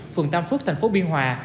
phường tam phước thành phố biên hòa